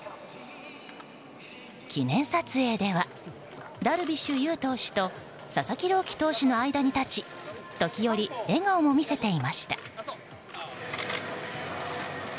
記念撮影ではダルビッシュ有投手と佐々木朗希投手の間に立ち時折笑顔も見せていました。